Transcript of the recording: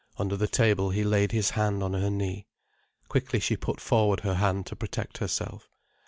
Under the table he laid his hand on her knee. Quickly she put forward her hand to protect herself.